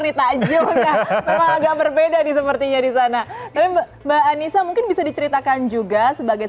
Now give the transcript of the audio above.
di takjub nah agak berbeda nih sepertinya disana mbak anissa mungkin bisa diceritakan juga sebagai